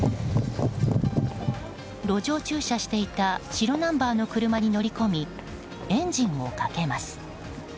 路上駐車していた白ナンバーの車に乗り込みエンジンをかけます。